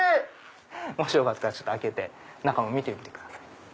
もしよかったら開けて中を見てみてください。